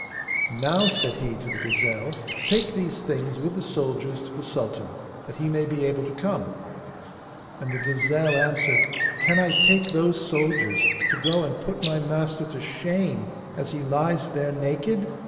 'Now,' said he to the gazelle, 'take these things with the soldiers to the sultan, that he may be able to come.' And the gazelle answered: 'Can I take those soldiers to go and put my master to shame as he lies there naked?